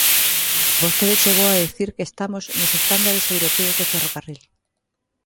Vostede chegou a dicir que estamos nos estándares europeos de ferrocarril.